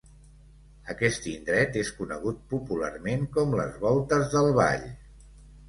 Aquest indret és conegut popularment com les voltes del Vall.